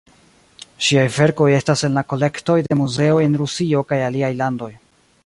Ŝiaj verkoj estas en la kolektoj de muzeoj en Rusio kaj aliaj landoj.